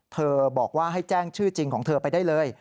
บอกว่าให้แจ้งชื่อจริงของเธอไปได้เลย